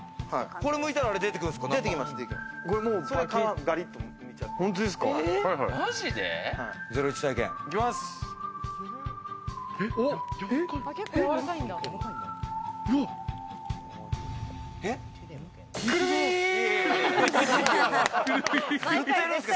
これ剥いたら、あれ出てくるんですか？